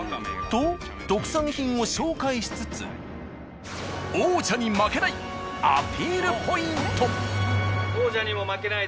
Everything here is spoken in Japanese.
と特産品を紹介しつつ王者に負けないアピールポイント。